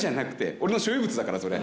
俺の所有物だからそれ。